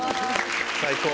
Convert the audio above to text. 最高！